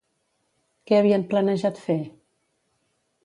Què havien planejat fer?